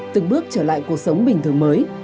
từng bước trở lại cuộc sống bình thường mới